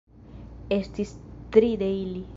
Estis tri de ili.